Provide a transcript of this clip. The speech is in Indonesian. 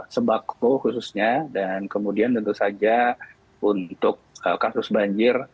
sebaku khususnya dan kemudian tentu saja untuk kasus banjir